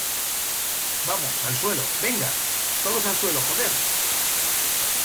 vamos, al suelo. ¡ venga! ¡ todos al suelo , joder !